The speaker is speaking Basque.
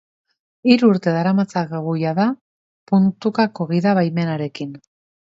Hiru urte daramatzagu jada puntukako gida-baimenarekin.